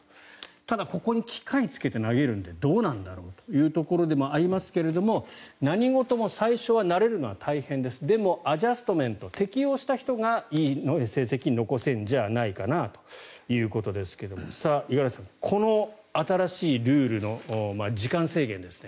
ただここに機械をつけて投げるのでどうなんだろうというところでもありますが、何事も最初は慣れるのは大変ですでもアジャストメント適応した人がいい成績を残せるんじゃないかなというところですが五十嵐さん、この新しいルールの時間制限ですね